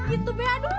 itu be aduh